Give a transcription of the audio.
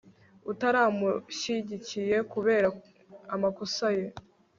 utaramushyigikiye kubera kubera amakosa ye